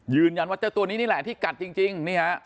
ยืนยันว่าเจ้าตัวนี้นี่แหละที่กัดจริง